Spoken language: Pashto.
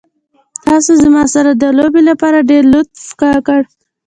تاسې زما سره د لوبې لپاره ډېر لطف وکړ.